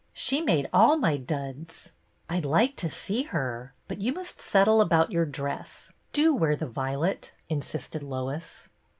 She made all my duds." " I'd like to see her, but you must settle about your dress. Do wear the violet," insisted Lois.